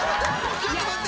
ちょっと待って！